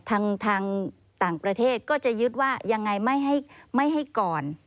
ทางต่างประเทศก็จะยึดว่ายังไงไม่ให้ก่อน